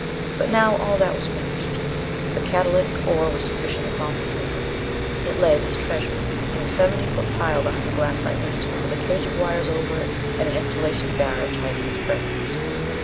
But now all that was finished. The catalytic ore was sufficiently concentrated. It lay this treasure in a seventy foot pile behind the glassite lean to, with a cage of wires over it and an insulation barrage hiding its presence.